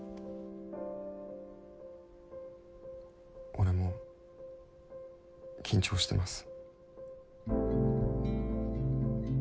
俺も緊張してます。